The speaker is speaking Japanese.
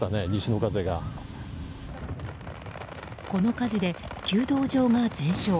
この火事で、弓道場が全焼。